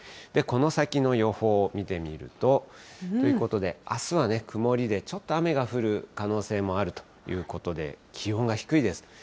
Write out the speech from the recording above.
この先の予報見てみると。ということであすはね、曇りで、ちょっと雨が降る可能性もあるということで、気温が低いです。